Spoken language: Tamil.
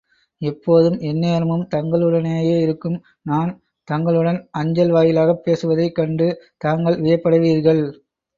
எப்போதும், எந்நேரமும் தங்களுடனேயே இருக்கும் நான், தங்களுடன் அஞ்சல் வாயிலாகப் பேசுவதைக் கண்டு தாங்கள் வியப்படைவீர்கள்.